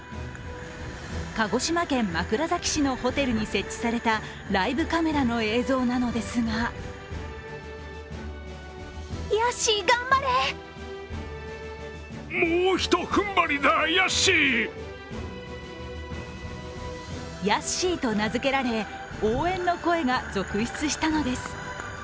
鹿児島県枕崎市のホテルに設置されたライブカメラの映像なのですがヤッシーと名付けられ応援の声が続出したのです。